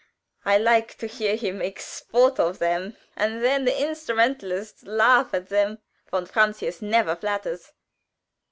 I like to hear him make sport of them, and then the instrumentalists laugh at them. Von Francius never flatters."